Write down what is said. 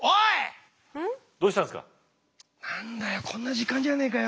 何だよこんな時間じゃねえかよ。